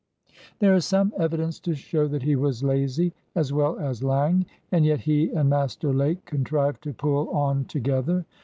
There is some evidence to show that he was "lazy," as well as "lang," and yet he and Master Lake contrived to pull on together.